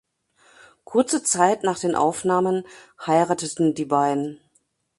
Kurze Zeit nach den Aufnahmen heirateten die beiden.